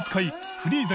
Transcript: フリーザ。